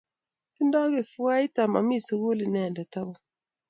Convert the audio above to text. Tindo kifuait amami sukul inendet akot